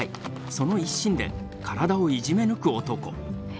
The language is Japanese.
その一心で体をいじめ抜く男。